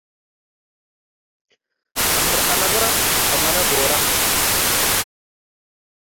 ጸመር አለበ ጸመረ ጎረ።